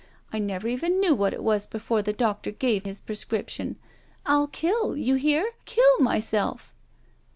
I never even knew what it was before the doctor gave his prescription. I'll kill— you hear?— kill myself."